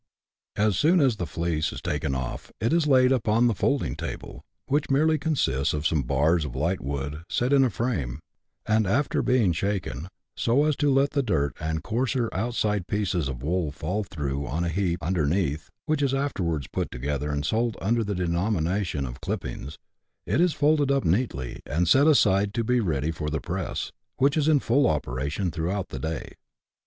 As soon as the fleece is taken off, it is laid upon the " folding table," which merely consists of some bars of light wood, set in a frame, and after being shaken, so as to let the dirt and coarser outside pieces of wool fall through on a heap underneath, (which is afterwards put together, and sold under the denomination of '' clippings,") it is folded up neatly, and set aside to be ready for the press, which is in full operation throughout the day.